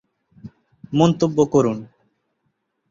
মন্তব্য করুন